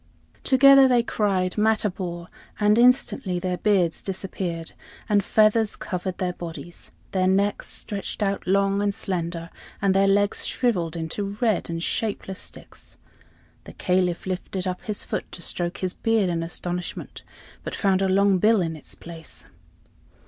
Together they cried "Matabor," and instantly their beards disappeared, and feathers covered their bodies; their necks stretched out long and slender, and their legs shriveled into red and shapeless sticks. The Caliph lifted up his foot to stroke his beard in astonishment, but found a long bill in its place.